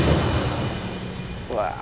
nggak kebanyakan bro